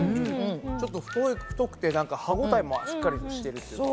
ちょっと太くて歯応えもしっかりしてるっていうか。